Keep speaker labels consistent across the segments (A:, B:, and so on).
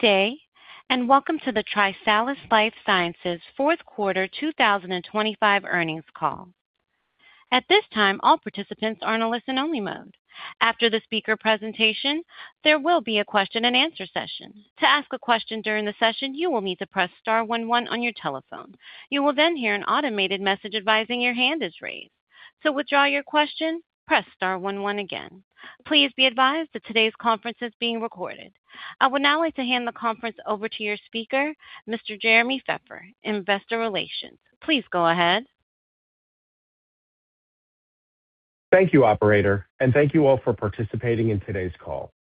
A: Day, welcome to the TriSalus Life Sciences Fourth Quarter 2025 Earnings Call. At this time, all participants are in a listen-only mode. After the speaker presentation, there will be a Q&A session. To ask a question during the session, you will need to press star one one on your telephone. You will hear an automated message advising your hand is raised. To withdraw your question, press star one one again. Please be advised that today's conference is being recorded. I would now like to hand the conference over to your speaker, Mr. Jeremy Feffer, Investor Relations. Please go ahead.
B: Thank you, operator, and thank you all for participating in today's call.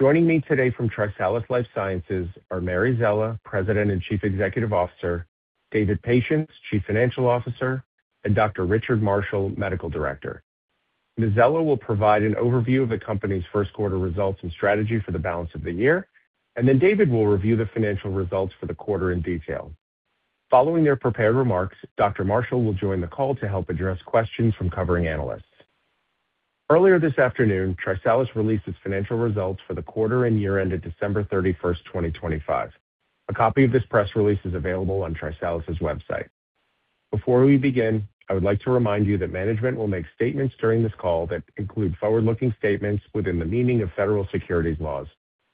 B: Joining me today from TriSalus Life Sciences are Mary Szela, President and Chief Executive Officer, David Patience, Chief Financial Officer, and Dr. Richard Marshall, Medical Director. Ms. Szela will provide an overview of the company's first quarter results and strategy for the balance of the year. David will review the financial results for the quarter in detail. Following their prepared remarks, Dr. Marshall will join the call to help address questions from covering analysts. Earlier this afternoon, TriSalus released its financial results for the quarter and year ended December 31st, 2025. A copy of this press release is available on TriSalus's website. Before we begin, I would like to remind you that management will make statements during this call that include forward-looking statements within the meaning of federal securities laws,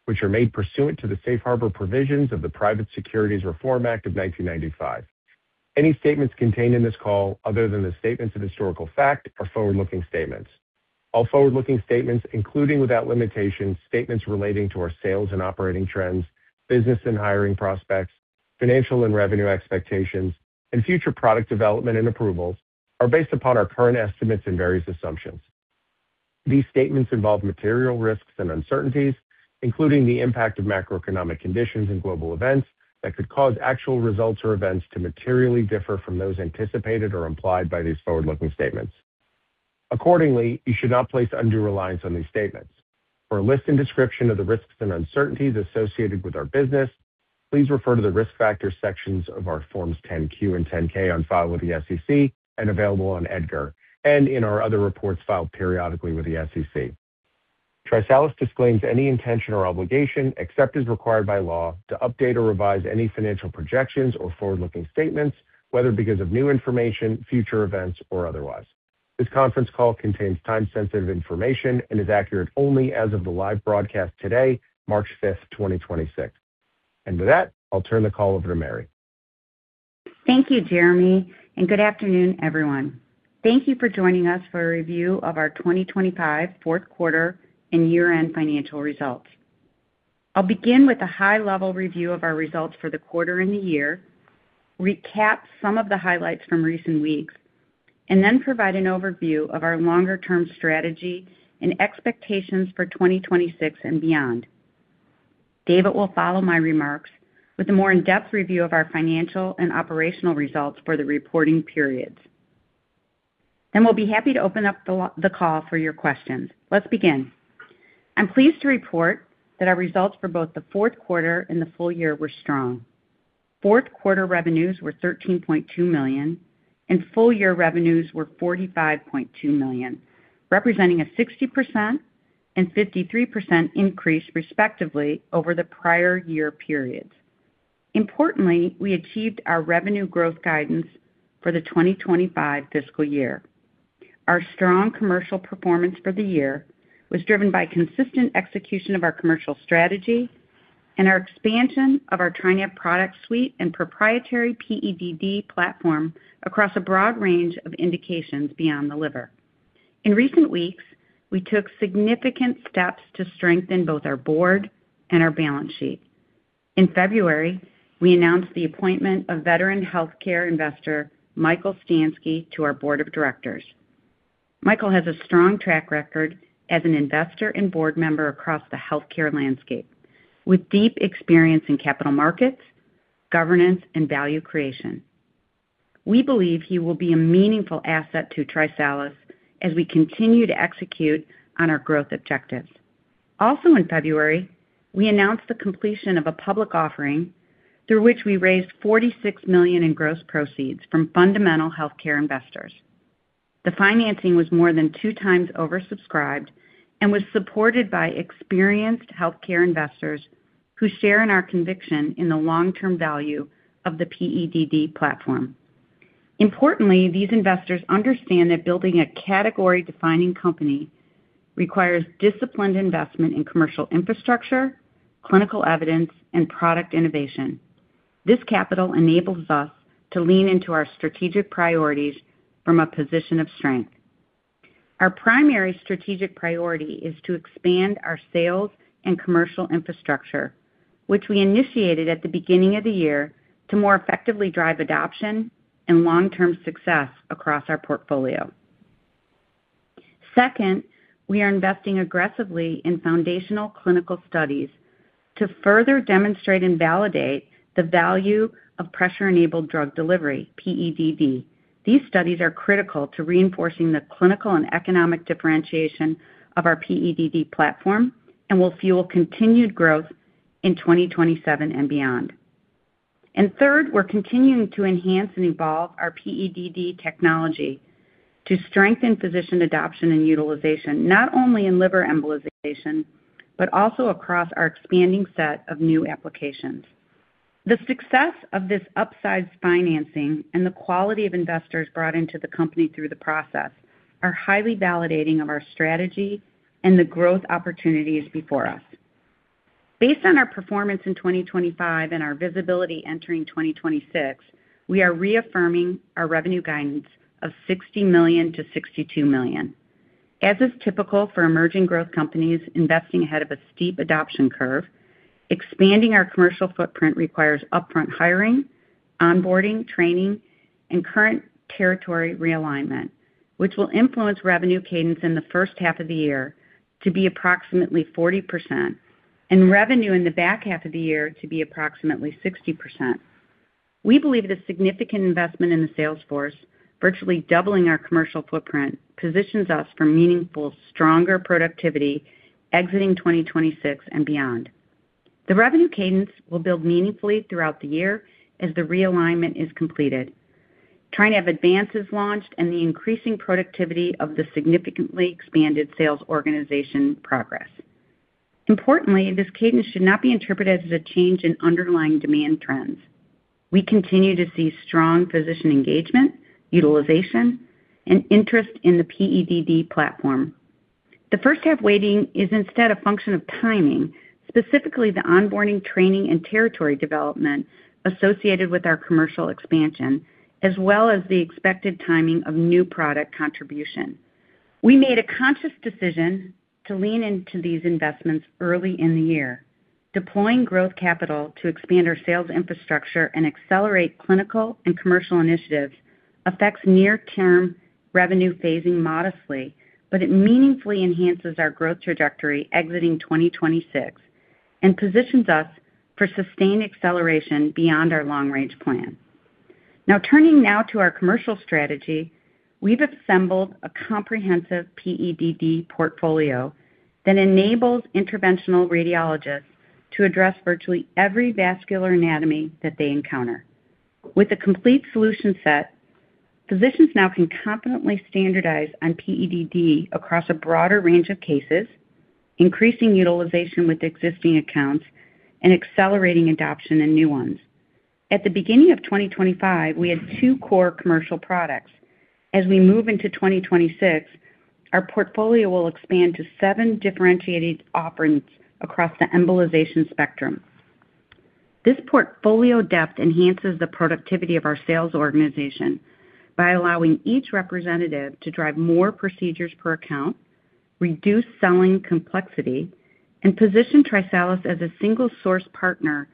B: which are made pursuant to the Safe Harbor provisions of the Private Securities Litigation Reform Act of 1995. Any statements contained in this call other than the statements of historical fact are forward-looking statements. All forward-looking statements, including without limitation, statements relating to our sales and operating trends, business and hiring prospects, financial and revenue expectations, and future product development and approvals, are based upon our current estimates and various assumptions. These statements involve material risks and uncertainties, including the impact of macroeconomic conditions and global events that could cause actual results or events to materially differ from those anticipated or implied by these forward-looking statements. Accordingly, you should not place undue reliance on these statements. For a list and description of the risks and uncertainties associated with our business, please refer to the Risk Factor sections of our Forms 10-Q and 10-K on file with the SEC and available on EDGAR and in our other reports filed periodically with the SEC. TriSalus disclaims any intention or obligation, except as required by law, to update or revise any financial projections or forward-looking statements, whether because of new information, future events, or otherwise. This conference call contains time-sensitive information and is accurate only as of the live broadcast today, March 5th, 2026. With that, I'll turn the call over to Mary.
C: Thank you, Jeremy. Good afternoon, everyone. Thank you for joining us for a review of our 2025 fourth quarter and year-end financial results. I'll begin with a high-level review of our results for the quarter and the year, recap some of the highlights from recent weeks, then provide an overview of our longer-term strategy and expectations for 2026 and beyond. David will follow my remarks with a more in-depth review of our financial and operational results for the reporting periods. We'll be happy to open up the call for your questions. Let's begin. I'm pleased to report that our results for both the fourth quarter and the full year were strong. Fourth quarter revenues were $13.2 million, full-year revenues were $45.2 million, representing a 60% and 53% increase, respectively, over the prior year periods. Importantly, we achieved our revenue growth guidance for the 2025 fiscal year. Our strong commercial performance for the year was driven by consistent execution of our commercial strategy and our expansion of our TriNav product suite and proprietary PEDD platform across a broad range of indications beyond the liver. In recent weeks, we took significant steps to strengthen both our board and our balance sheet. In February, we announced the appointment of veteran healthcare investor Michael Stansky to our board of directors. Michael has a strong track record as an investor and board member across the healthcare landscape with deep experience in capital markets, governance, and value creation. We believe he will be a meaningful asset to TriSalus as we continue to execute on our growth objectives. In February, we announced the completion of a public offering through which we raised $46 million in gross proceeds from fundamental healthcare investors. The financing was more than two times oversubscribed and was supported by experienced healthcare investors who share in our conviction in the long-term value of the PEDD platform. Importantly, these investors understand that building a category-defining company requires disciplined investment in commercial infrastructure, clinical evidence, and product innovation. This capital enables us to lean into our strategic priorities from a position of strength. Our primary strategic priority is to expand our sales and commercial infrastructure, which we initiated at the beginning of the year to more effectively drive adoption and long-term success across our portfolio. Second, we are investing aggressively in foundational clinical studies to further demonstrate and validate the value of Pressure-Enabled Drug Delivery, PEDD. These studies are critical to reinforcing the clinical and economic differentiation of our PEDD platform and will fuel continued growth in 2027 and beyond. Third, we're continuing to enhance and evolve our PEDD technology to strengthen physician adoption and utilization, not only in liver embolization, but also across our expanding set of new applications. The success of this upsized financing and the quality of investors brought into the company through the process are highly validating of our strategy and the growth opportunities before us. Based on our performance in 2025 and our visibility entering 2026, we are reaffirming our revenue guidance of $60 million-$62 million. As is typical for emerging growth companies investing ahead of a steep adoption curve, expanding our commercial footprint requires upfront hiring, onboarding, training, and current territory realignment, which will influence revenue cadence in the first half of the year to be approximately 40% and revenue in the back half of the year to be approximately 60%. We believe the significant investment in the sales force, virtually doubling our commercial footprint, positions us for meaningful, stronger productivity exiting 2026 and beyond. The revenue cadence will build meaningfully throughout the year as the realignment is completed. TriNav Advance is launched and the increasing productivity of the significantly expanded sales organization progress. Importantly, this cadence should not be interpreted as a change in underlying demand trends. We continue to see strong physician engagement, utilization, and interest in the PEDD platform. The first half weighting is instead a function of timing, specifically the onboarding, training, and territory development associated with our commercial expansion, as well as the expected timing of new product contribution. We made a conscious decision to lean into these investments early in the year. Deploying growth capital to expand our sales infrastructure and accelerate clinical and commercial initiatives affects near term revenue phasing modestly, but it meaningfully enhances our growth trajectory exiting 2026 and positions us for sustained acceleration beyond our long-range plan. Now turning now to our commercial strategy, we've assembled a comprehensive PEDD portfolio that enables interventional radiologists to address virtually every vascular anatomy that they encounter. With a complete solution set, physicians now can confidently standardize on PEDD across a broader range of cases, increasing utilization with existing accounts and accelerating adoption in new ones. At the beginning of 2025, we had two core commercial products. As we move into 2026, our portfolio will expand to seven differentiated offerings across the embolization spectrum. This portfolio depth enhances the productivity of our sales organization by allowing each representative to drive more procedures per account, reduce selling complexity, and position TriSalus as a single source partner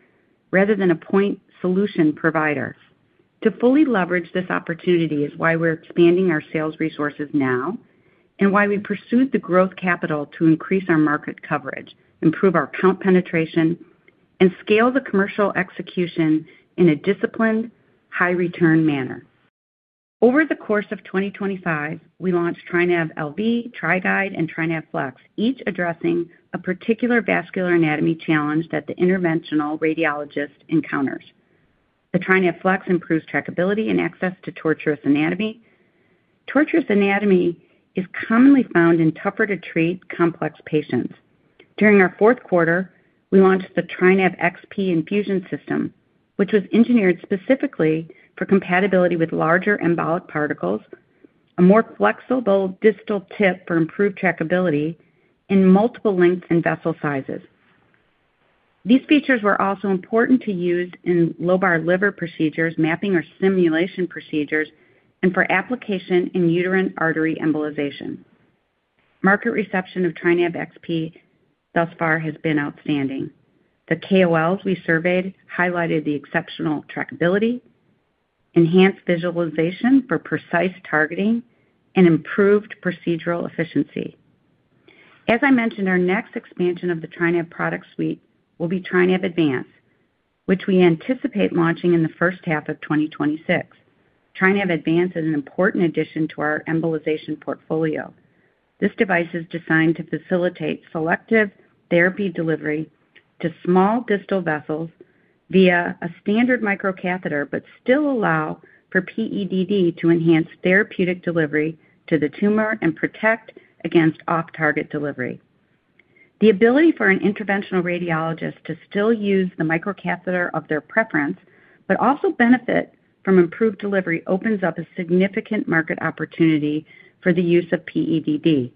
C: rather than a point solution provider. To fully leverage this opportunity is why we're expanding our sales resources now and why we pursued the growth capital to increase our market coverage, improve our count penetration, and scale the commercial execution in a disciplined, high return manner. Over the course of 2025, we launched TriNav LV, TriGuide, and TriNav FLX, each addressing a particular vascular anatomy challenge that the interventional radiologist encounters. The TriNav FLX improves trackability and access to tortuous anatomy. Tortuous anatomy is commonly found in tougher to treat complex patients. During our fourth quarter, we launched the TriNav XP infusion system, which was engineered specifically for compatibility with larger embolic particles, a more flexible distal tip for improved trackability in multiple lengths and vessel sizes. These features were also important to use in lobar liver procedures, mapping or simulation procedures, and for application in uterine artery embolization. Market reception of TriNav XP thus far has been outstanding. The KOLs we surveyed highlighted the exceptional trackability, enhanced visualization for precise targeting, and improved procedural efficiency. As I mentioned, our next expansion of the TriNav product suite will be TriNav Advance, which we anticipate launching in the first half of 2026. TriNav Advance is an important addition to our embolization portfolio. This device is designed to facilitate selective therapy delivery to small distal vessels via a standard microcatheter, but still allow for PEDD to enhance therapeutic delivery to the tumor and protect against off-target delivery. The ability for an interventional radiologist to still use the microcatheter of their preference, but also benefit from improved delivery opens up a significant market opportunity for the use of PEDD.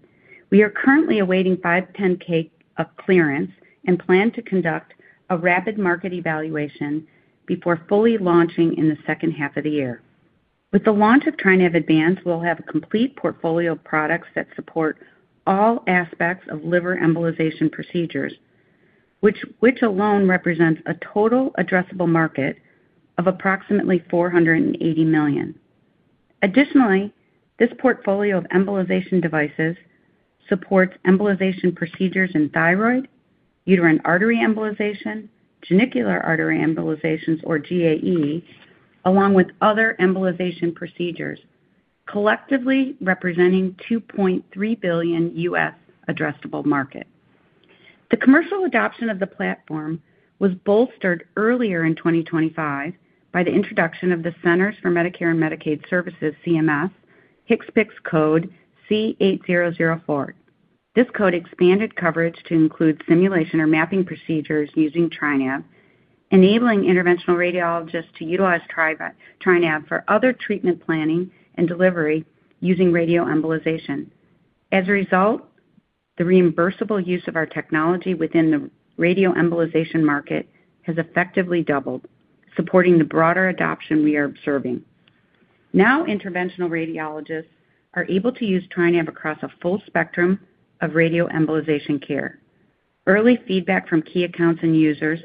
C: We are currently awaiting 510(k) clearance and plan to conduct a rapid market evaluation before fully launching in the second half of the year. With the launch of TriNav Advance, we'll have a complete portfolio of products that support all aspects of liver embolization procedures, which alone represents a total addressable market of approximately $480 million. This portfolio of embolization devices supports embolization procedures in thyroid, uterine artery embolization, genicular artery embolizations or GAE, along with other embolization procedures, collectively representing a $2.3 billion U.S. addressable market. The commercial adoption of the platform was bolstered earlier in 2025 by the introduction of the Centers for Medicare & Medicaid Services, CMS, HCPCS code C8004. This code expanded coverage to include simulation or mapping procedures using TriNav, enabling interventional radiologists to utilize TriNav for other treatment planning and delivery using radioembolization. The reimbursable use of our technology within the radioembolization market has effectively doubled, supporting the broader adoption we are observing. Interventional radiologists are able to use TriNav across a full spectrum of radioembolization care. Early feedback from key accounts and users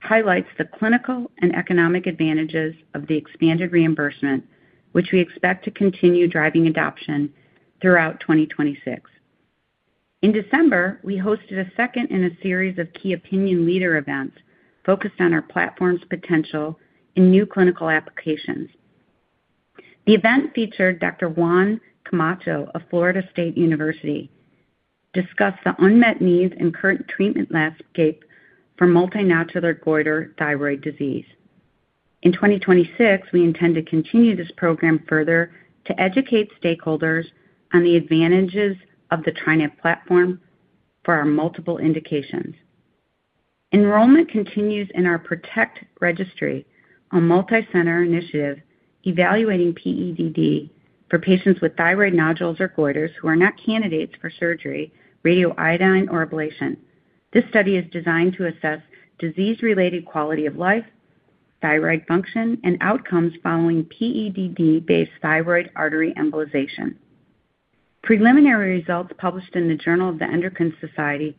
C: highlights the clinical and economic advantages of the expanded reimbursement, which we expect to continue driving adoption throughout 2026. In December, we hosted a second in a series of key opinion leader events focused on our platform's potential in new clinical applications. The event featured Dr. Juan Camacho of Florida State University, discussed the unmet needs and current treatment landscape for multinodular goiter thyroid disease. In 2026, we intend to continue this program further to educate stakeholders on the advantages of the TriNav platform for our multiple indications. Enrollment continues in our PROTECT registry, a multicenter initiative evaluating PEDD for patients with thyroid nodules or goiters who are not candidates for surgery, radioiodine, or ablation. This study is designed to assess disease-related quality of life, thyroid function, and outcomes following PEDD-based thyroid artery embolization. Preliminary results published in the Journal of the Endocrine Society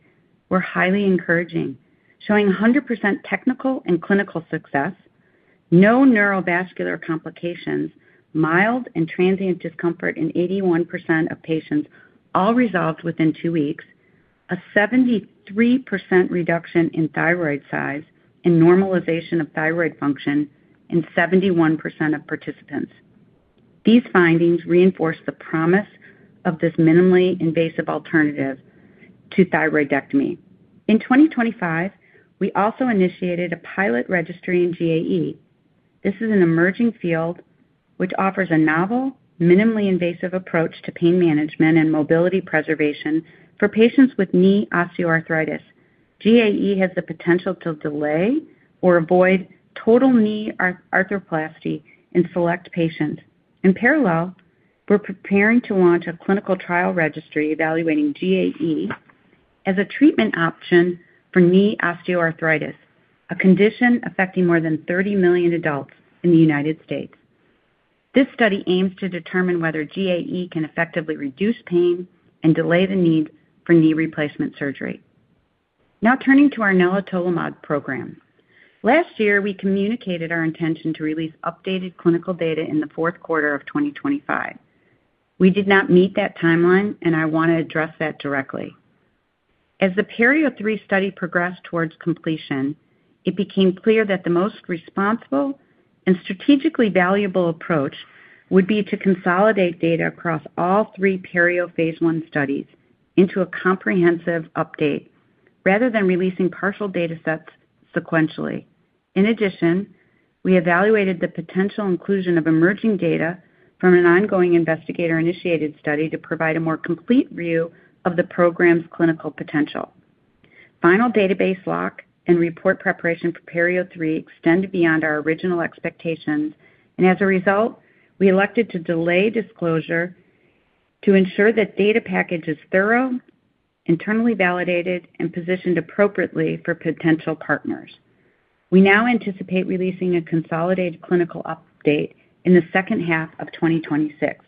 C: were highly encouraging, showing 100% technical and clinical success, no neurovascular complications, mild and transient discomfort in 81% of patients, all resolved within two weeks, a 73% reduction in thyroid size and normalization of thyroid function in 71% of participants. These findings reinforce the promise of this minimally invasive alternative to thyroidectomy. In 2025, we also initiated a pilot registry in GAE. This is an emerging field which offers a novel, minimally invasive approach to pain management and mobility preservation for patients with knee osteoarthritis. GAE has the potential to delay or avoid total knee arthroplasty in select patients. In parallel, we're preparing to launch a clinical trial registry evaluating GAE as a treatment option for knee osteoarthritis, a condition affecting more than 30 million adults in the United States. This study aims to determine whether GAE can effectively reduce pain and delay the need for knee replacement surgery. Turning to our nelitolimod program. Last year, we communicated our intention to release updated clinical data in the fourth quarter of 2025. We did not meet that timeline, and I want to address that directly. As the PERIO-03 study progressed towards completion, it became clear that the most responsible and strategically valuable approach would be to consolidate data across all three PERIO phase I studies into a comprehensive update rather than releasing partial datasets sequentially. We evaluated the potential inclusion of emerging data from an ongoing investigator-initiated study to provide a more complete view of the program's clinical potential. Final database lock and report preparation for PERIO-3 extended beyond our original expectations. As a result, we elected to delay disclosure to ensure that data package is thorough, internally validated, and positioned appropriately for potential partners. We now anticipate releasing a consolidated clinical update in the second half of 2026.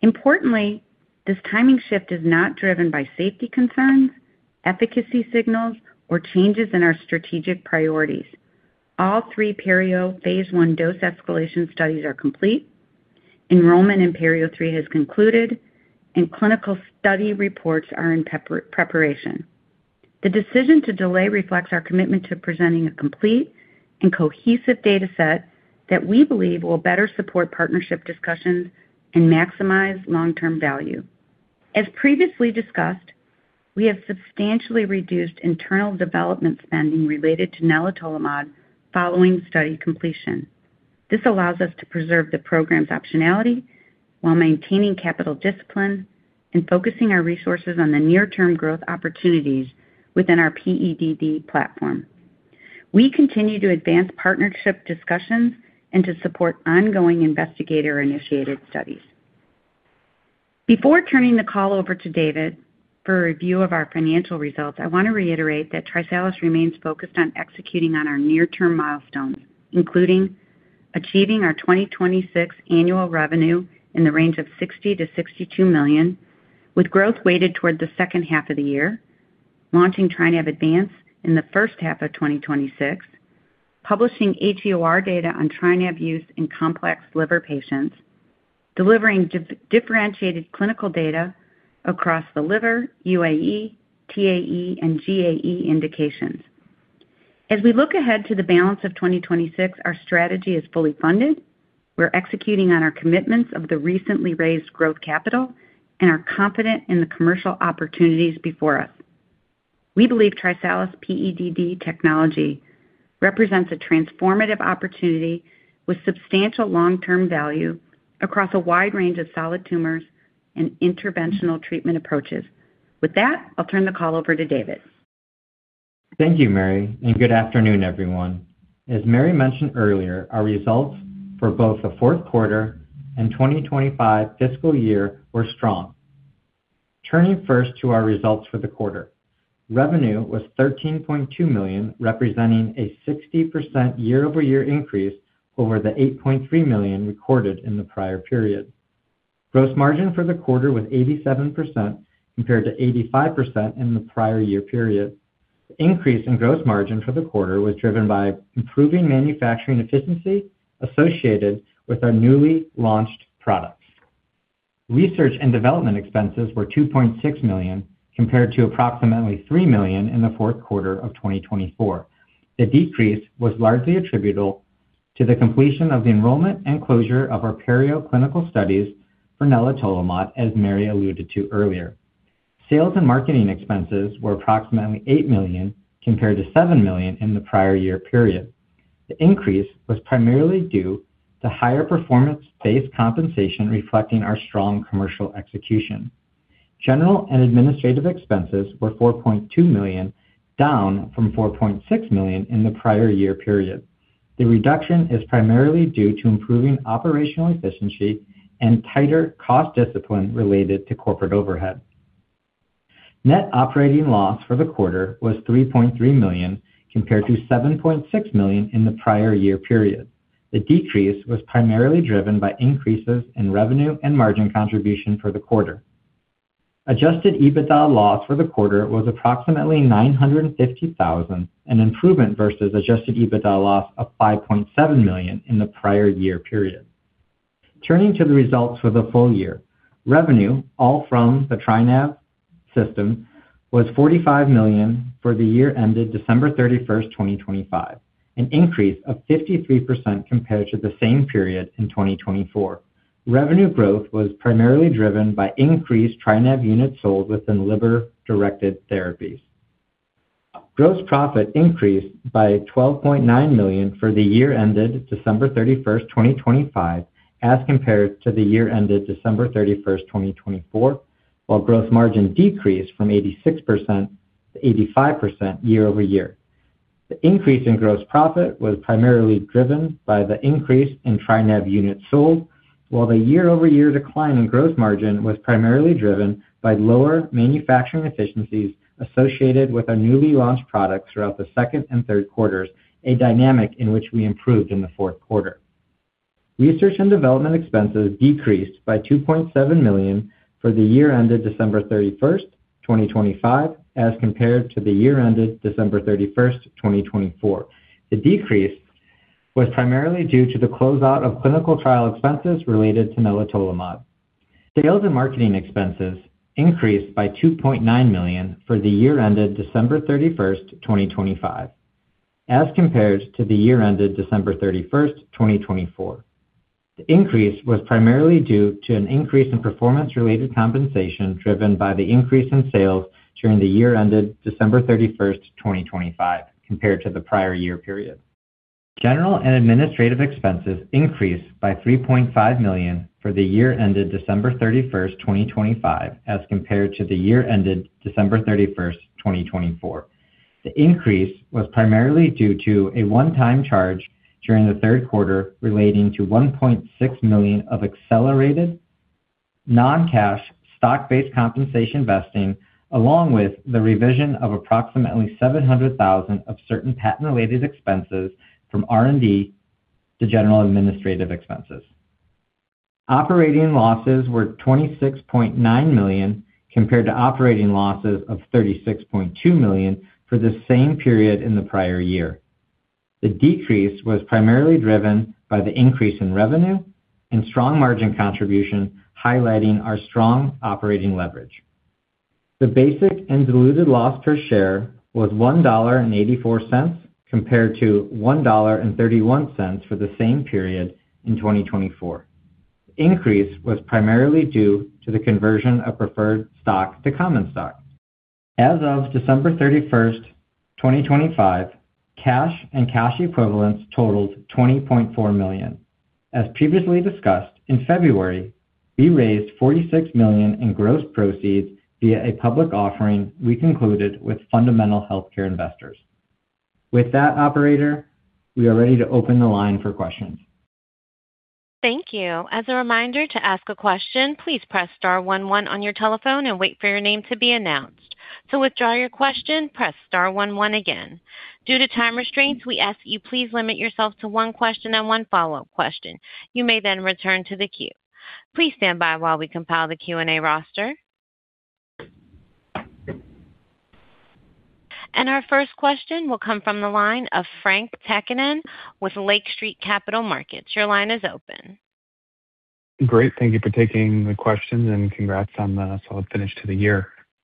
C: Importantly, this timing shift is not driven by safety concerns, efficacy signals, or changes in our strategic priorities. All three PERIO phase I dose escalation studies are complete, enrollment in PERIO-3 has concluded, and clinical study reports are in preparation. The decision to delay reflects our commitment to presenting a complete and cohesive dataset that we believe will better support partnership discussions and maximize long-term value. As previously discussed, we have substantially reduced internal development spending related to nelitolimod following study completion. This allows us to preserve the program's optionality while maintaining capital discipline and focusing our resources on the near-term growth opportunities within our PEDD platform. We continue to advance partnership discussions and to support ongoing investigator-initiated studies. Before turning the call over to David for a review of our financial results, I want to reiterate that TriSalus remains focused on executing on our near-term milestones, including achieving our 2026 annual revenue in the range of $60 million-$62 million, with growth weighted toward the second half of the year, launching TriNav Advance in the first half of 2026, publishing HEOR data on TriNav use in complex liver patients, delivering differentiated clinical data across the liver, UAE, TAE, and GAE indications. We look ahead to the balance of 2026, our strategy is fully funded. We're executing on our commitments of the recently raised growth capital and are confident in the commercial opportunities before us. We believe TriSalus PEDD technology represents a transformative opportunity with substantial long-term value across a wide range of solid tumors and interventional treatment approaches. With that, I'll turn the call over to David.
D: Thank you, Mary. Good afternoon, everyone. As Mary mentioned earlier, our results for both the fourth quarter and 2025 fiscal year were strong. Turning first to our results for the quarter. Revenue was $13.2 million, representing a 60% year-over-year increase over the $8.3 million recorded in the prior period. Gross margin for the quarter was 87% compared to 85% in the prior year period. The increase in gross margin for the quarter was driven by improving manufacturing efficiency associated with our newly launched products. Research and development expenses were $2.6 million compared to approximately $3 million in the fourth quarter of 2024. The decrease was largely attributable to the completion of the enrollment and closure of our PERIO clinical studies for nelitolimod, as Mary alluded to earlier. Sales and marketing expenses were approximately $8 million compared to $7 million in the prior year period. The increase was primarily due to higher performance-based compensation reflecting our strong commercial execution. General and administrative expenses were $4.2 million, down from $4.6 million in the prior year period. The reduction is primarily due to improving operational efficiency and tighter cost discipline related to corporate overhead. Net operating loss for the quarter was $3.3 million compared to $7.6 million in the prior year period. The decrease was primarily driven by increases in revenue and margin contribution for the quarter. Adjusted EBITDA loss for the quarter was approximately $950,000, an improvement versus adjusted EBITDA loss of $5.7 million in the prior year period. Turning to the results for the full year, revenue all from the TriNav system was $45 million for the year ended December 31, 2025, an increase of 53% compared to the same period in 2024. Revenue growth was primarily driven by increased TriNav units sold within liver-directed therapies. Gross profit increased by $12.9 million for the year ended December 31, 2025, as compared to the year ended December 31, 2024, while gross margin decreased from 86% to 85% year-over-year. The increase in gross profit was primarily driven by the increase in TriNav units sold. While the year-over-year decline in gross margin was primarily driven by lower manufacturing efficiencies associated with our newly launched products throughout the second and third quarters, a dynamic in which we improved in the fourth quarter. Research and development expenses decreased by $2.7 million for the year ended December 31st, 2025, as compared to the year ended December 31st, 2024. The decrease was primarily due to the closeout of clinical trial expenses related to nelitolimod. Sales and marketing expenses increased by $2.9 million for the year ended December 31st, 2025, as compared to the year ended December 31st, 2024. The increase was primarily due to an increase in performance-related compensation driven by the increase in sales during the year ended December 31st, 2025, compared to the prior year period. General and administrative expenses increased by $3.5 million for the year ended December 31st, 2025, as compared to the year ended December 31st, 2024. The increase was primarily due to a one-time charge during the third quarter relating to $1.6 million of accelerated non-cash stock-based compensation vesting, along with the revision of approximately $700,000 of certain patent-related expenses from R&D to general administrative expenses. Operating losses were $26.9 million compared to operating losses of $36.2 million for the same period in the prior year. The decrease was primarily driven by the increase in revenue and strong margin contribution, highlighting our strong operating leverage. The basic and diluted loss per share was $1.84 compared to $1.31 for the same period in 2024. The increase was primarily due to the conversion of preferred stock to common stock. As of December 31st, 2025, cash and cash equivalents totaled $20.4 million. As previously discussed, in February, we raised $46 million in gross proceeds via a public offering we concluded with fundamental healthcare investors. With that, operator, we are ready to open the line for questions.
A: Thank you. As a reminder to ask a question, please press star one one on your telephone and wait for your name to be announced. To withdraw your question, press star one one again. Due to time restraints, we ask you please limit yourself to one question and one follow-up question. You may then return to the queue. Please stand by while we compile the Q&A roster. Our first question will come from the line of Frank Takkinen with Lake Street Capital Markets. Your line is open.
E: Great. Thank you for taking the questions. Congrats on the solid finish to the year.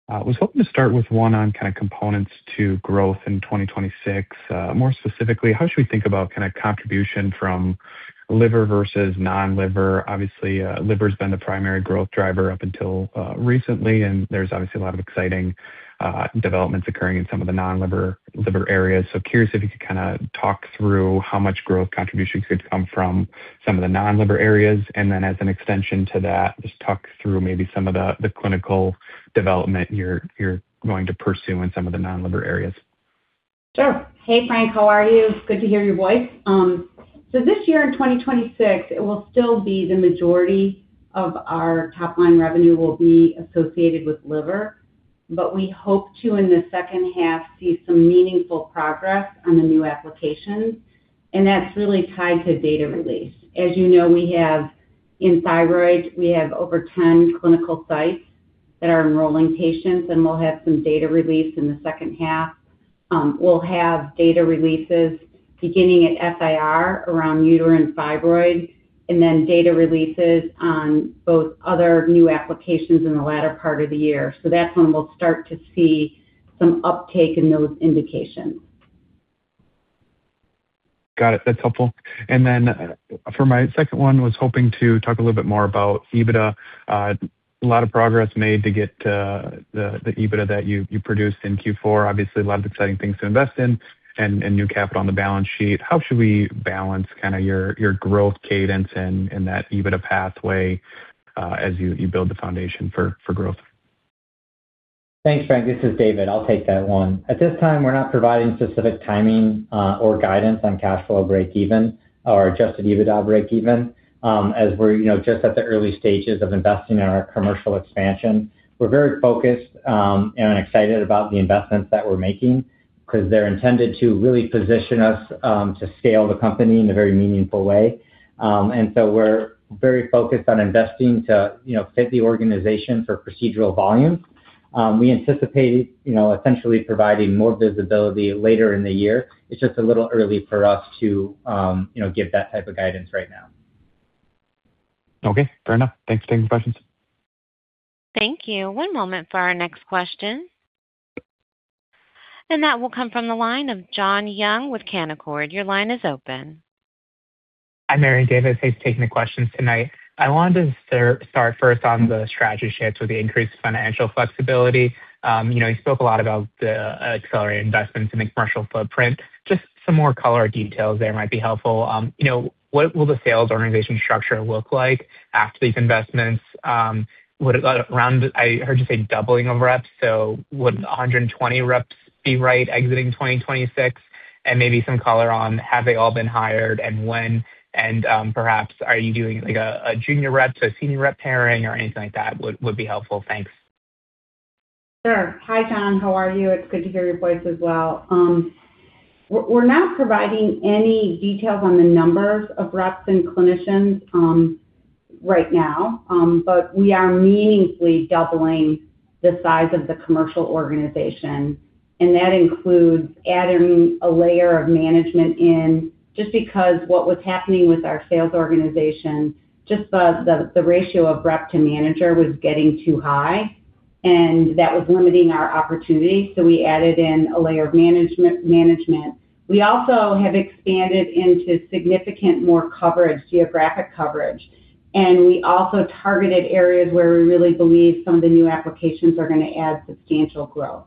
E: Was hoping to start with one on kind of components to growth in 2026. More specifically, how should we think about kind of contribution from liver versus non-liver? Obviously, liver's been the primary growth driver up until recently. There's obviously a lot of exciting developments occurring in some of the non-liver areas. Curious if you could kinda talk through how much growth contribution could come from some of the non-liver areas? As an extension to that, just talk through maybe some of the clinical development you're going to pursue in some of the non-liver areas.
C: Sure. Hey, Frank, how are you? It's good to hear your voice. This year in 2026, it will still be the majority of our top line revenue will be associated with liver. We hope to, in the second half, see some meaningful progress on the new applications, and that's really tied to data release. As you know, we have in fibroids, we have over 10 clinical sites that are enrolling patients, and we'll have some data released in the second half. We'll have data releases beginning at SIR around uterine fibroid and then data releases on both other new applications in the latter part of the year. That's when we'll start to see some uptake in those indications.
E: Got it. That's helpful. Then for my second one, was hoping to talk a little bit more about EBITDA. A lot of progress made to get the EBITDA that you produced in Q4. Obviously a lot of exciting things to invest in and new capital on the balance sheet. How should we balance kind of your growth cadence and that EBITDA pathway as you build the foundation for growth?
D: Thanks, Frank. This is David. I'll take that one. At this time, we're not providing specific timing or guidance on cash flow breakeven or adjusted EBITDA breakeven, as we're, you know, just at the early stages of investing in our commercial expansion. We're very focused and excited about the investments that we're making because they're intended to really position us to scale the company in a very meaningful way. We're very focused on investing to, you know, fit the organization for procedural volume. We anticipate, you know, essentially providing more visibility later in the year. It's just a little early for us to, you know, give that type of guidance right now.
E: Okay. Fair enough. Thanks. Thanks for taking the questions.
A: Thank you. One moment for our next question. That will come from the line of Jon Young with Canaccord. Your line is open.
F: Hi, Mary and David. Thanks for taking the questions tonight. I wanted to start first on the strategy shifts with the increased financial flexibility. You know, you spoke a lot about the accelerated investments in the commercial footprint. Just some more color or details there might be helpful. You know, what will the sales organization structure look like after these investments? Would around, I heard you say doubling of reps, so would 120 reps be right exiting 2026? Maybe some color on have they all been hired and when? Perhaps are you doing, like, a junior rep to a senior rep pairing or anything like that would be helpful. Thanks.
C: Sure. Hi, Jon. How are you? It's good to hear your voice as well. We're, we're not providing any details on the numbers of reps and clinicians right now. We are meaningfully doubling the size of the commercial organization, and that includes adding a layer of management in just because what was happening with our sales organization, just the, the ratio of rep to manager was getting too high, and that was limiting our opportunity. We added in a layer of management. We also have expanded into significant more coverage, geographic coverage, and we also targeted areas where we really believe some of the new applications are gonna add substantial growth.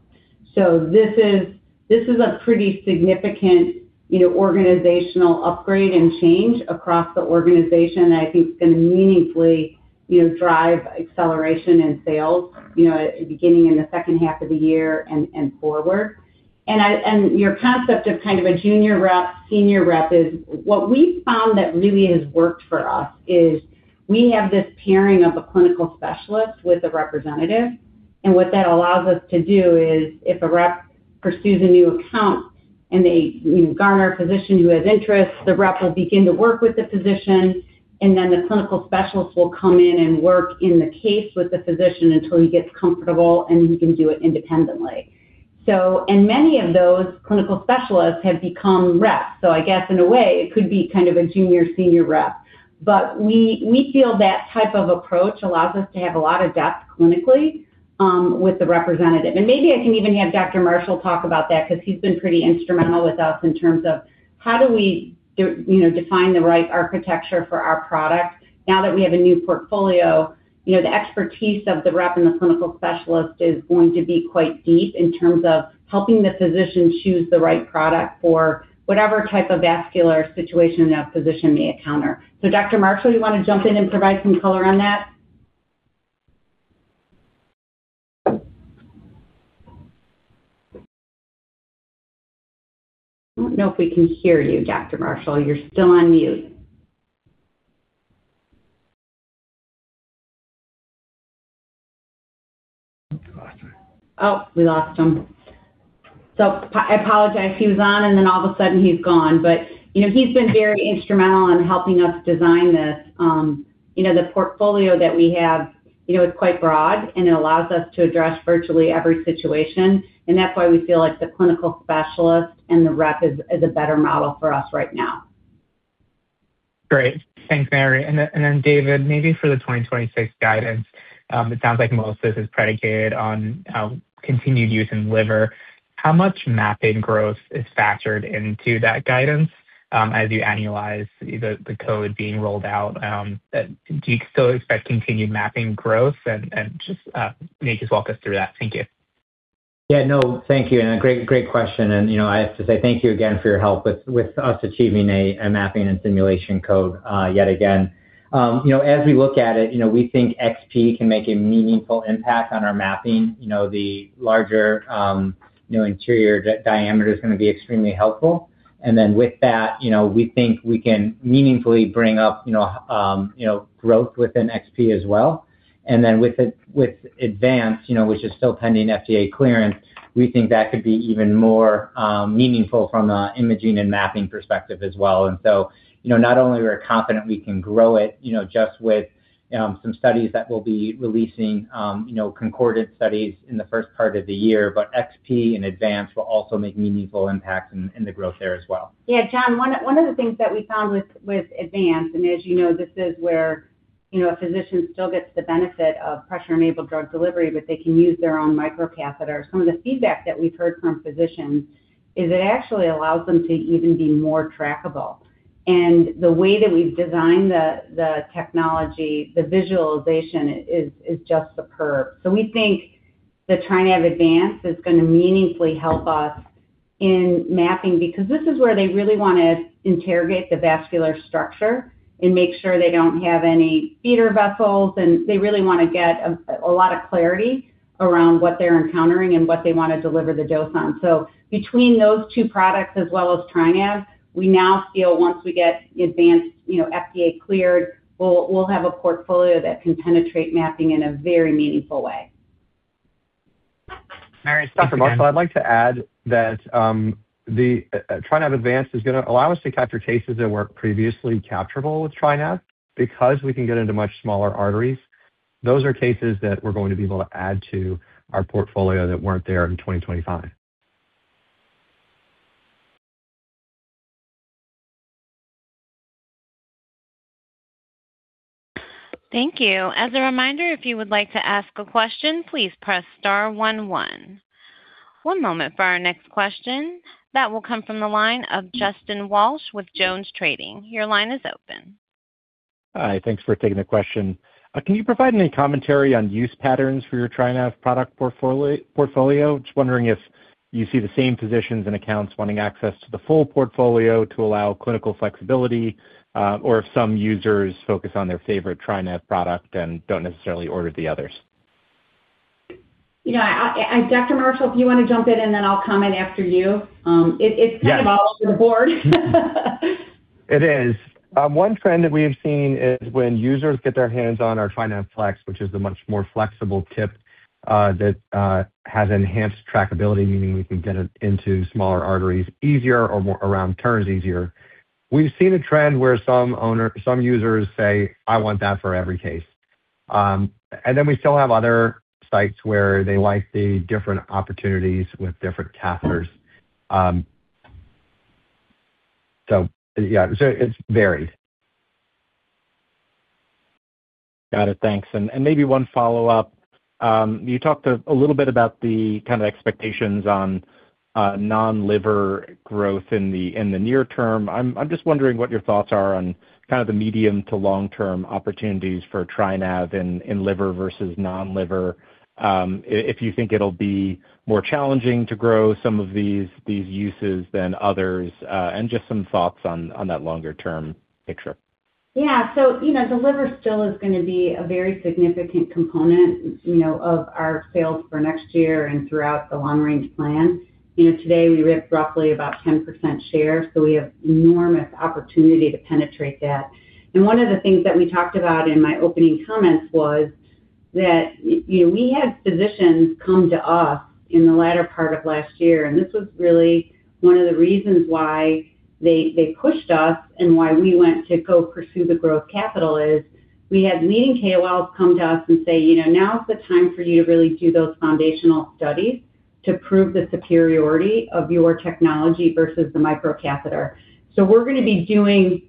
C: This is a pretty significant, you know, organizational upgrade and change across the organization that I think is going to meaningfully, you know, drive acceleration in sales, you know, beginning in the second half of the year and forward. Your concept of kind of a junior rep, senior rep is. What we found that really has worked for us is we have this pairing of a clinical specialist with a representative. What that allows us to do is if a rep pursues a new account and they, you know, garner a physician who has interest, the rep will begin to work with the physician, and then the clinical specialist will come in and work in the case with the physician until he gets comfortable and he can do it independently. Many of those clinical specialists have become reps. I guess in a way it could be kind of a junior-senior rep. We feel that type of approach allows us to have a lot of depth clinically with the representative. Maybe I can even have Dr. Marshall talk about that because he's been pretty instrumental with us in terms of how do we you know, define the right architecture for our products. Now that we have a new portfolio, you know, the expertise of the rep and the clinical specialist is going to be quite deep in terms of helping the physician choose the right product for whatever type of vascular situation that physician may encounter. Dr. Marshall, you wanna jump in and provide some color on that? I don't know if we can hear you, Dr. Marshall. You're still on mute.
D: We lost him.
C: Oh, we lost him. I apologize. He was on, all of a sudden he's gone. You know, he's been very instrumental in helping us design this, you know, the portfolio that we have. You know, it's quite broad, it allows us to address virtually every situation. That's why we feel like the clinical specialist and the rep is a better model for us right now.
F: Great. Thanks, Mary. David, maybe for the 2026 guidance, it sounds like most of this is predicated on continued use in liver. How much mapping growth is factored into that guidance, as you annualize the code being rolled out, do you still expect continued mapping growth? Just maybe walk us through that. Thank you.
D: Yeah, no, thank you. A great question. You know, I have to say thank you again for your help with us achieving a mapping and simulation code yet again. You know, as we look at it, you know, we think TriNav XP can make a meaningful impact on our mapping. You know, the larger, you know, interior diameter is going to be extremely helpful. With that, you know, we think we can meaningfully bring up, you know, growth within TriNav XP as well. With TriNav Advance, you know, which is still pending FDA clearance, we think that could be even more meaningful from an imaging and mapping perspective as well. You know, not only we're confident we can grow it, you know, just with some studies that we'll be releasing, you know, concordant studies in the first part of the year, but XP and Advance will also make meaningful impacts in the growth there as well.
C: Yeah, Jon, one of the things that we found with Advance, and as you know, this is where, you know, a physician still gets the benefit of Pressure-Enabled Drug Delivery, but they can use their own microcatheters. Some of the feedback that we've heard from physicians is it actually allows them to even be more trackable. The way that we've designed the technology, the visualization is just superb. We think the TriNav Advance is going to meaningfully help us in mapping, because this is where they really want to interrogate the vascular structure and make sure they don't have any feeder vessels, and they really want to get a lot of clarity around what they're encountering and what they want to deliver the dose on. Between those two products as well as TriNav, we now feel once we get Advanced, you know, FDA cleared, we'll have a portfolio that can penetrate mapping in a very meaningful way.
F: Mary-
G: I'd like to add that the TriNav Advance is going to allow us to capture cases that weren't previously capturable with TriNav because we can get into much smaller arteries. Those are cases that we're going to be able to add to our portfolio that weren't there in 2025.
A: Thank you. As a reminder, if you would like to ask a question, please press star one one. One moment for our next question. That will come from the line of Justin Walsh with Jones Trading. Your line is open.
H: Hi. Thanks for taking the question. Can you provide any commentary on use patterns for your TriNav product portfolio? Just wondering if you see the same physicians and accounts wanting access to the full portfolio to allow clinical flexibility, or if some users focus on their favorite TriNav product and don't necessarily order the others.
C: You know, Dr. Marshall, if you want to jump in, and then I'll comment after you.
G: Yes.
C: Kind of all over the board.
G: It is. One trend that we have seen is when users get their hands on our TriNav FLX, which is a much more flexible tip, that has enhanced trackability, meaning we can get it into smaller arteries easier or more around turns easier. We've seen a trend where some users say, "I want that for every case." We still have other sites where they like the different opportunities with different catheters. Yeah. It's varied.
H: Got it. Thanks. Maybe one follow-up. You talked a little bit about the kind of expectations on non-liver growth in the near term. I'm just wondering what your thoughts are on kind of the medium to long-term opportunities for TriNav in liver versus non-liver. If you think it'll be more challenging to grow some of these uses than others, and just some thoughts on that longer term picture.
C: Yeah. You know, the liver still is going to be a very significant component, you know, of our sales for next year and throughout the long range plan. You know, today we rip roughly about 10% share, so we have enormous opportunity to penetrate that. One of the things that we talked about in my opening comments was that, you know, we had physicians come to us in the latter part of last year, and this was really one of the reasons why they pushed us and why we went to go pursue the growth capital is we had leading KOLs come to us and say, you know, "Now is the time for you to really do those foundational studies to prove the superiority of your technology versus the microcatheter." We're going to be doing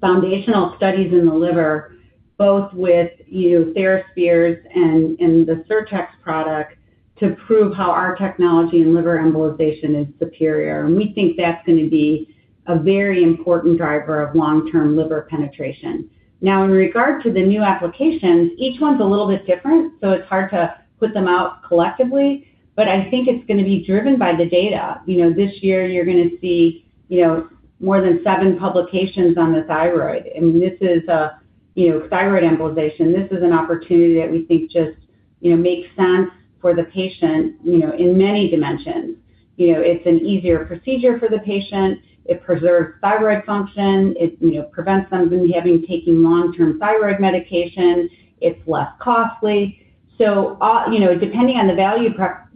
C: foundational studies in the liver, both with, you know, TheraSphere and the Sirtex product to prove how our technology in liver embolization is superior. We think that's going to be a very important driver of long-term liver penetration. In regard to the new applications, each one's a little bit different, so it's hard to put them out collectively, but I think it's going to be driven by the data. You know, this year you're going to see, you know, more than seven publications on the thyroid. I mean, this is a, you know, thyroid embolization. This is an opportunity that we think just, you know, makes sense for the patient, you know, in many dimensions. You know, it's an easier procedure for the patient. It preserves thyroid function. It, you know, prevents them from having taking long-term thyroid medication. It's less costly. Depending on the value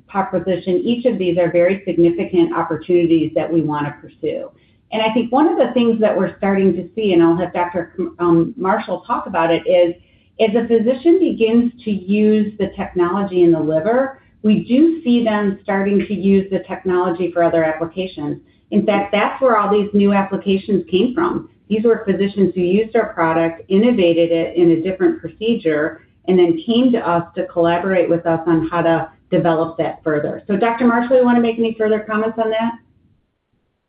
C: proposition, each of these are very significant opportunities that we want to pursue. I think one of the things that we're starting to see, and I'll have Dr. Marshall talk about it, as a physician begins to use the technology in the liver, we do see them starting to use the technology for other applications. In fact, that's where all these new applications came from. These were physicians who used our product, innovated it in a different procedure, and then came to us to collaborate with us on how to develop that further. Dr. Marshall, you want to make any further comments on that?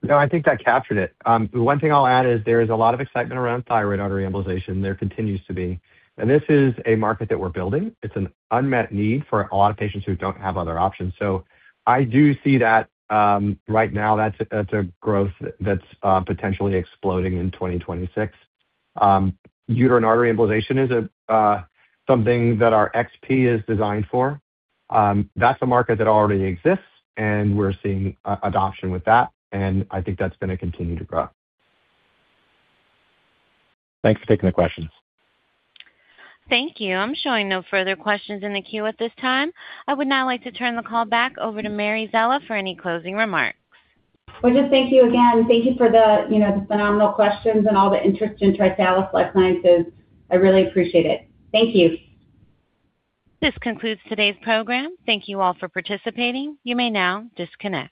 G: No, I think that captured it. one thing I'll add is there is a lot of excitement around thyroid artery embolization. There continues to be. This is a market that we're building. It's an unmet need for a lot of patients who don't have other options. I do see that, right now that's a, that's a growth that's potentially exploding in 2026. Uterine artery embolization is something that our XP is designed for. That's a market that already exists, and we're seeing adoption with that, and I think that's going to continue to grow.
H: Thanks for taking the questions.
A: Thank you. I'm showing no further questions in the queue at this time. I would now like to turn the call back over to Mary Szela for any closing remarks.
C: Well, just thank you again. Thank you for the, you know, the phenomenal questions and all the interest in TriSalus Life Sciences. I really appreciate it. Thank you.
A: This concludes today's program. Thank you all for participating. You may now disconnect.